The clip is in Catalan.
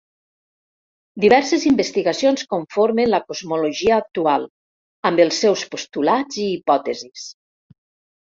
Diverses investigacions conformen la cosmologia actual, amb els seus postulats i hipòtesis